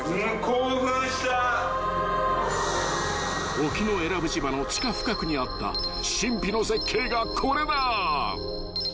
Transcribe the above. ［沖永良部島の地下深くにあった神秘の絶景がこれだ］